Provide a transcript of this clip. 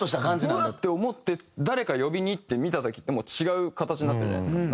うわっ！って思って誰か呼びに行って見た時って違う形になってるじゃないですか。